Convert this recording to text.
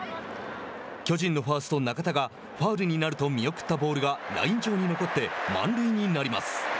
巨人のファースト中田がファウルになると見送ったボールがライン上に残って満塁になります。